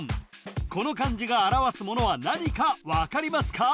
この漢字が表すものは何か分かりますか？